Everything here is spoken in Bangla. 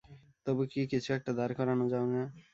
তবু কি কিছু একটা দাঁড় করান যায় না?